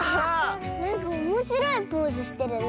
なんかおもしろいポーズしてるね。